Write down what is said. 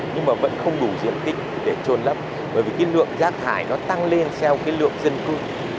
nhưng mà vẫn không đủ diện tích để trôn lấp bởi vì cái lượng rác thải nó tăng lên theo cái lượng dân cư